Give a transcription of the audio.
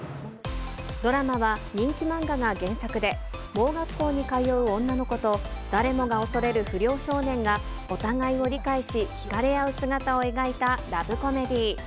ドラマは人気漫画が原作で、盲学校に通う女の子と、誰もが恐れる不良少年が、お互いを理解し、引かれ合う姿を描いたラブコメディー。